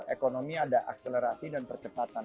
ekonomi ada akselerasi dan percepatan